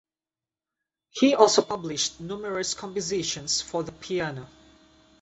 He also published numerous compositions for the piano.